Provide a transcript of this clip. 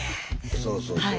そうそうそうそう。